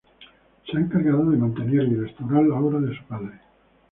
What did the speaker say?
Se ha encargado de mantener y restaurar la obra de su padre.